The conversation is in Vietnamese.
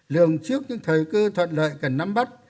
lường trước những thời cơ thuận lợi cần nắm bắt